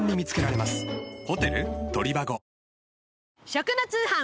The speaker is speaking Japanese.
食の通販。